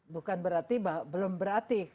bukan berarti belum berarti